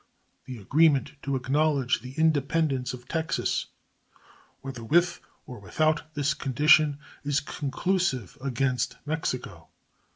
The agreement to acknowledge the independence of Texas, whether with or without this condition, is conclusive against Mexico.